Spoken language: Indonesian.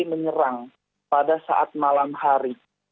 menyerang pada saat malam hari